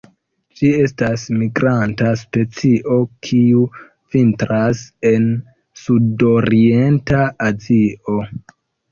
Ĝi estas migranta specio, kiu vintras en sudorienta Azio.